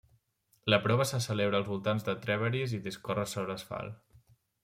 La prova se celebra als voltants de Trèveris i discorre sobre asfalt.